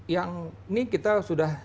yang ini kita sudah